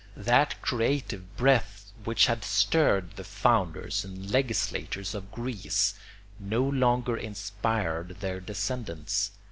That creative breath which had stirred the founders and legislators of Greece no longer inspired their descendants.